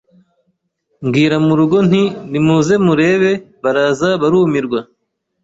mbwira mu rugo nti nimuze murebe baraza barumirwa